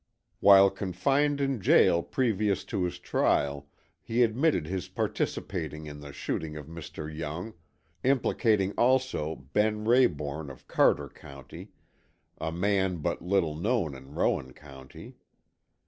While confined in jail previous to his trial, he admitted his participation in the shooting of Mr. Young, implicating also Ben Rayborn of Carter County, a man but little known in Rowan County.